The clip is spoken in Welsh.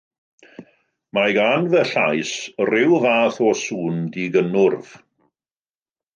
Mae gan fy llais rhyw fath o sŵn digynnwrf.